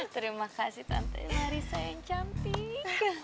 terima kasih tante larissa yang cantik